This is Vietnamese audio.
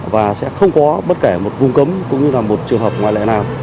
và sẽ không có bất kể một vùng cấm cũng như là một trường hợp ngoại lệ nào